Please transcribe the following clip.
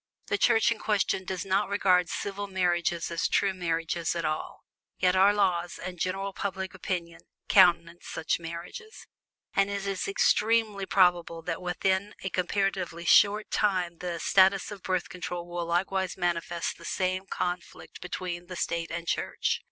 The Church in question does not regard "civil marriages" as true marriages at all yet our laws, and general public opinion, countenance such marriages; and it is extremely probable that within a comparatively short time the status of Birth Control will likewise manifest the same conflict between State and Church.